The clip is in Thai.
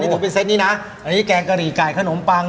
ผมเป็นเซตนี้นะอันนี้แกงกะหรี่ไก่ขนมปัง